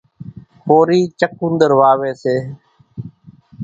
ڪورِي چڪونۮر واويَ سي۔